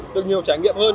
được nhiều trải nghiệm hơn